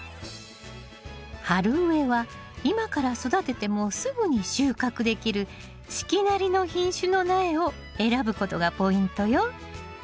春植えは今から育ててもすぐに収穫できる四季なりの品種の苗を選ぶことがポイントよ。